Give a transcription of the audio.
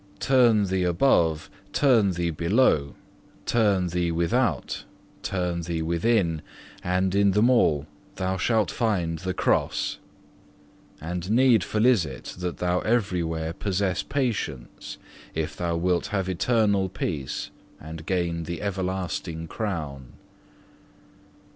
Turn thee above, turn thee below, turn thee without, turn thee within, and in them all thou shalt find the Cross; and needful is it that thou everywhere possess patience if thou wilt have internal peace and gain the everlasting crown.